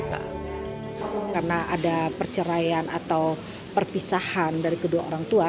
karena ada perceraian atau perpisahan dari kedua orang tua